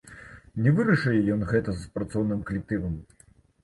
Не вырашае ён гэта з працоўным калектывам.